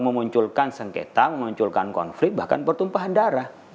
memunculkan sengketa memunculkan konflik bahkan pertumpahan darah